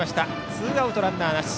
ツーアウトランナーなし。